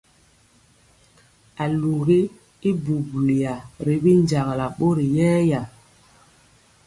Alugi y buaya ri binjagala mori yɛɛya.